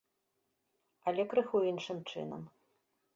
Але крыху іншым чынам.